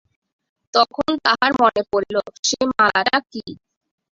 তখন তাহার মনে পড়িল, সে মালাটা কী।